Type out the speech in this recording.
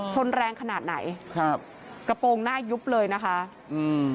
ชนแรงขนาดไหนครับกระโปรงหน้ายุบเลยนะคะอืม